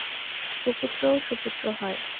কুপুত্রও হয় সুপুত্রও হয়।